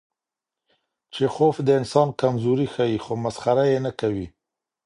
چیخوف د انسان کمزوري ښيي، خو مسخره یې نه کوي.